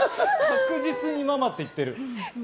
確実にママって言ってる。